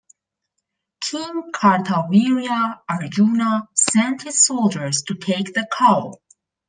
King Kartavirya Arjuna sent his soldiers to take the cow.